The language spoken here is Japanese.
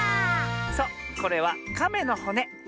そうこれはカメのほね。